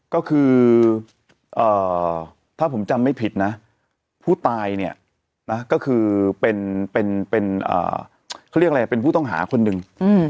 ก็คือถ้าผมจำไม่ผิดนะผู้ตายเนี่ยนะก็คือเป็นเขาเรียกอะไรเป็นผู้ต้องหาคนหนึ่ง